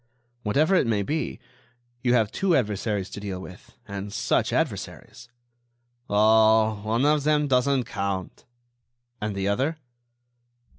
"Whatever it may be, you have two adversaries to deal with, and such adversaries!" "Oh! one of them doesn't count." "And the other?"